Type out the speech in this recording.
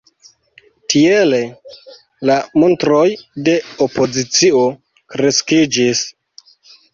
Tiele la montroj de opozicio kreskiĝis.